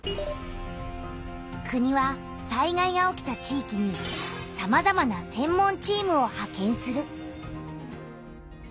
国は災害が起きた地域にさまざまな「専門チーム」をはけんする。